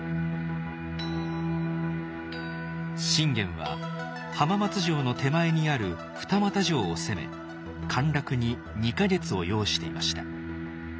信玄は浜松城の手前にある二俣城を攻め陥落に２か月を要していました。